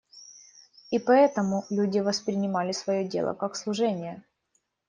И поэтому люди воспринимали свое дело как служение.